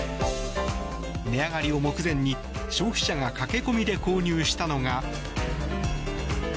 値上がりを目前に消費者が駆け込みで購入したのが。